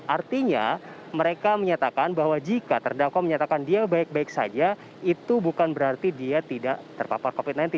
artinya mereka menyatakan bahwa jika terdakwa menyatakan dia baik baik saja itu bukan berarti dia tidak terpapar covid sembilan belas